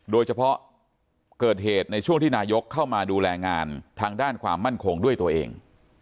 โดยเฉพาะเกิดเหตุในช่วงที่นายกเข้ามาดูแลงานทางด้านความมั่นคงด้วยตัวเอง